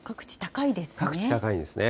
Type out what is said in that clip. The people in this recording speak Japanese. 各地高いですね。